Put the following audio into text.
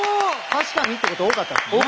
確かにってこと多かったですもんね。